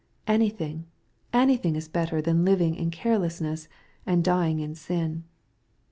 Anything, anything is better than living in carelessness, and dying in sin.